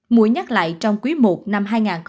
mũi nhắc lại trong quý i năm hai nghìn hai mươi hai